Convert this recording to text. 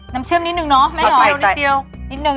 น้ำเชื่อมนิดนึงเนอะแม่หน่อยเสร็จเนี่ยเราใส่นิดเดียว